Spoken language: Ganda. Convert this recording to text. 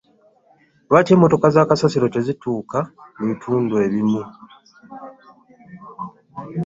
Lwaki emmotoka za kasasiro tezituuka mu bitundu ebimu.